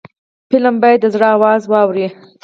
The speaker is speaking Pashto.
فلم باید د زړه آواز واوري